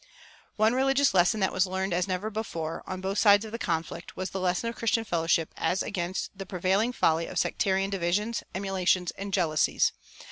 One religious lesson that was learned as never before, on both sides of the conflict, was the lesson of Christian fellowship as against the prevailing folly of sectarian divisions, emulations, and jealousies.